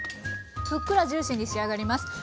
ふっくらジューシーに仕上がります。